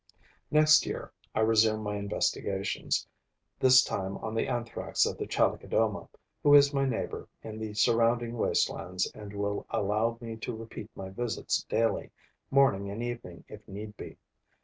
Next year, I resume my investigations, this time on the Anthrax of the Chalicodoma, who is my neighbor in the surrounding wastelands and will allow me to repeat my visits daily, morning and evening if need be.